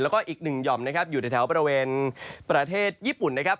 แล้วก็อีกหนึ่งหย่อมนะครับอยู่ในแถวบริเวณประเทศญี่ปุ่นนะครับ